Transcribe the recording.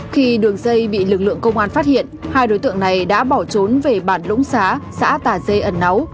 khi đường dây bị lực lượng công an phát hiện hai đối tượng này đã bỏ trốn về bản lũng xá xã tà dê ẩn nấu